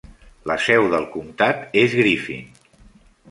La seu del comtat és Griffin.